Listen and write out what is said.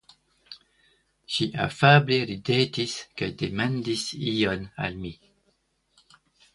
Ŝi afable ridetis kaj demandis ion al mi.